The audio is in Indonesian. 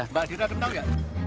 mbak aldira kenal ya